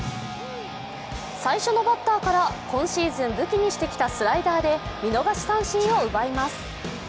最初のバッターから今シーズン武器にしてきたスライダーで見逃し三振を奪います。